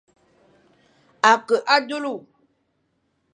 Ake a dulu.